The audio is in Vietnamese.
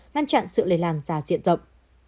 ngăn chặn sự lây làn giả diện rộng